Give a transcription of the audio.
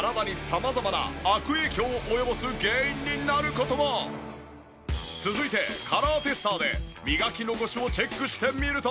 しかもその続いてカラーテスターで磨き残しをチェックしてみると。